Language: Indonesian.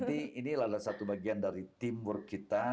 dan ini adalah satu bagian dari teamwork kita